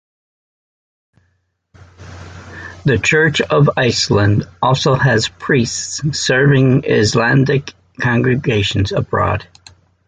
The Church of Iceland also has priests serving Icelandic congregations abroad.